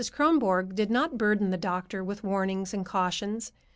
Kronborg did not burden the doctor with warnings and cautions.